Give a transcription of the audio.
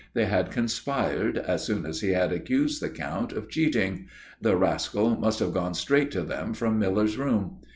They had conspired, as soon as he had accused the Count of cheating. The rascal must have gone straight to them from Miller's room.